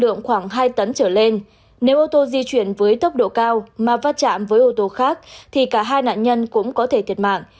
lượng khoảng hai tấn trở lên nếu ô tô di chuyển với tốc độ cao mà va chạm với ô tô khác thì cả hai nạn nhân cũng có thể thiệt mạng